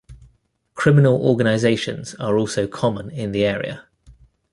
Criminal organizations are also common in the area.